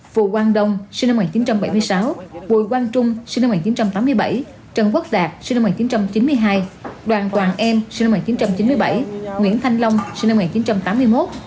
phù quang đông sinh năm một nghìn chín trăm bảy mươi sáu bùi quang trung sinh năm một nghìn chín trăm tám mươi bảy trần quốc đạt sinh năm một nghìn chín trăm chín mươi hai đoàn toàn em sinh năm một nghìn chín trăm chín mươi bảy nguyễn thanh long sinh năm một nghìn chín trăm tám mươi một